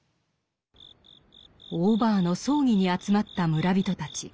オーバーの葬儀に集まった村人たち。